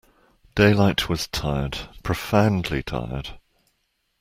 Daylight was tired, profoundly tired.